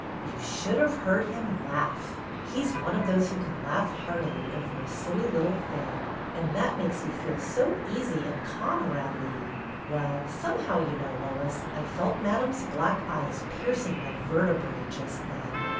You should have heard him laugh. He 's one of those who can laugh heartily over a silly little thing, and that makes you feel so easy and comradely. Well, some how, do you know, Lois, I felt Madame's black eyes piercing my vertebrae just then.